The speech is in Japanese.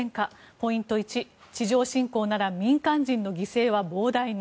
ポイント１、地上侵攻なら民間人の犠牲は膨大に。